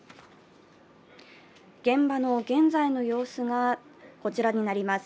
現場の現在の様子がこちらになります。